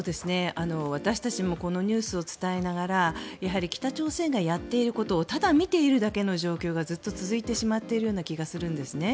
私たちもこのニュースを伝えながらやはり北朝鮮がやっていることをただ見ているだけの状況がずっと続いてしまっているような気がするんですね。